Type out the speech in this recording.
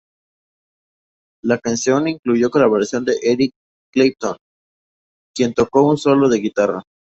La canción incluyó la colaboración de Eric Clapton, que tocó un solo de guitarra.